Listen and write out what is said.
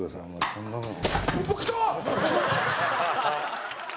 こんなん。